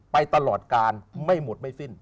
ไปตลอดกาลไม่หมดไม่สิ้น